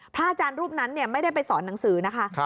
อาจารย์รูปนั้นไม่ได้ไปสอนหนังสือนะคะ